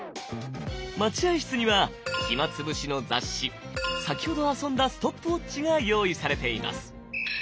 待合室には暇潰しの雑誌先ほど遊んだストップウォッチが用意されています。